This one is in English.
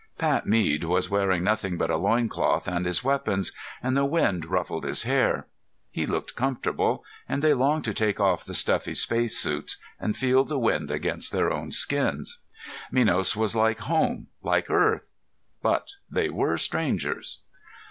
Pat Mead was wearing nothing but a loin cloth and his weapons, and the wind ruffled his hair. He looked comfortable, and they longed to take off the stuffy spacesuits and feel the wind against their own skins. Minos was like home, like Earth.... But they were strangers.